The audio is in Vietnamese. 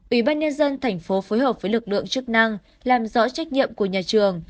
ủy ban nhân dân thành phố phối hợp với lực lượng chức năng làm rõ trách nhiệm của nhà trường